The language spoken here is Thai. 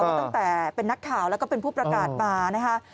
ตั้งแต่เป็นนักข่าวแล้วก็เป็นผู้ประกาศมานะคะ